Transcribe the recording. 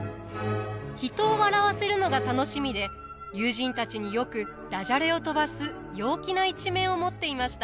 人を笑わせるのが楽しみで友人たちによくダジャレを飛ばす陽気な一面を持っていました。